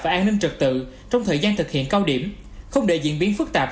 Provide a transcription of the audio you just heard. và an ninh trật tự trong thời gian thực hiện cao điểm không để diễn biến phức tạp